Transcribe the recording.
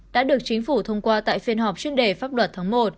đã được chính phủ thông qua tại phiên họp chuyên đề pháp luật tháng một